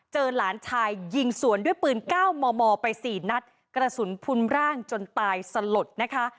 หลานชายยิงสวนด้วยปืน๙มมไป๔นัดกระสุนพุนร่างจนตายสลดนะคะ